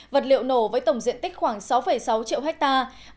vật liệu nổ với tổng diện tích khoảng sáu sáu triệu hectare